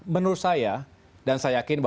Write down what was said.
menurut saya dan saya yakin